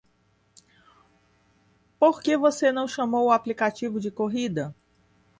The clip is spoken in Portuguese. Por que você não chamou o aplicativo de corrida?